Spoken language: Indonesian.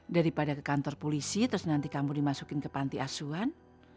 daripada ke kantor polisi terus nanti kamu dimasukin ke panti asuhan